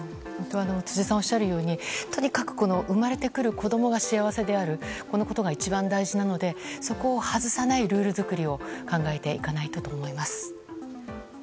辻さんがおっしゃるようにとにかく生まれてくる子供が幸せであるこのことが一番大事なのでそこを外さないルール作りを考えていかないといけないと思います。